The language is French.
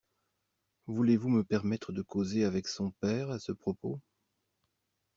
Voulez-vous me permettre de causer avec son père à ce propos?